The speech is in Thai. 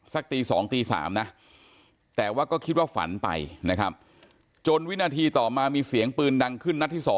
ตี๒ตี๓นะแต่ว่าก็คิดว่าฝันไปนะครับจนวินาทีต่อมามีเสียงปืนดังขึ้นนัดที่๒